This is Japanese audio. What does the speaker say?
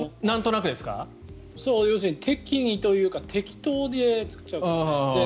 要するに適宜というか適当で作っちゃうからね。